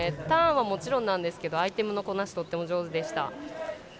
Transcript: ターンはもちろんですがアイテムのこなしとっても上手でした。